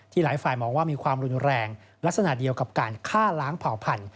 หลายฝ่ายมองว่ามีความรุนแรงลักษณะเดียวกับการฆ่าล้างเผ่าพันธุ